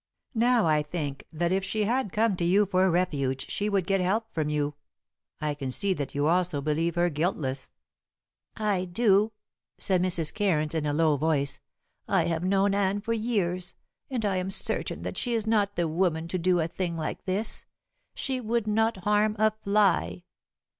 "Now I think that if she had come to you for refuge she would get help from you. I can see that you also believe her guiltless." "I do," said Mrs. Cairns in a low voice. "I have known Anne for years and I am certain that she is not the woman to do a thing like this. She would not harm a fly."